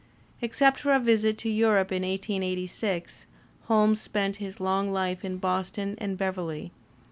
Except for a visit to Europe in 1886, Holmes spent his long life in Boston and Beverley.